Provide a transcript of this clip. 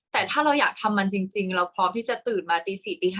แต่ถ้าเราอยากทำมันจริงเราพร้อมที่จะตื่นมาตี๔ตี๕